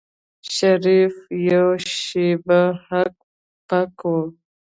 شريف يوه شېبه هک پک و.